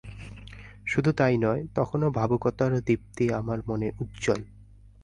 শুধু তাই নয়, তখনো ভাবুকতার দীপ্তি আমার মনে উজ্জ্বল।